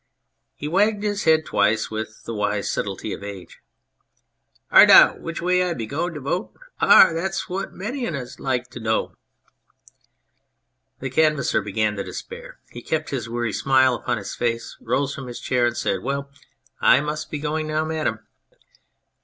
He wagged his head twice with the wise subtlety of age. " Ar now, which way be I going to voat ? Ar ? Thaiit's what many on us ud like t' know !" The Canvasser began to despair. He kept his weary smile upon his face, rose from his chair, and said :" Well, I must be going now, madam."